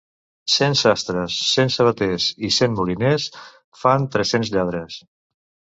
Cent sastres, cent sabaters i cent moliners fan tres-cents lladres.